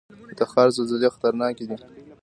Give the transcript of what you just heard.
د تخار زلزلې خطرناکې دي